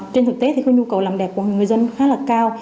trên thực tế thì có nhu cầu làm đẹp của người dân khá là cao